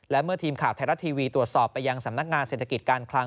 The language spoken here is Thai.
และเมื่อทีมข่าวไทยรัฐทีวีตรวจสอบไปยังสำนักงานเศรษฐกิจการคลัง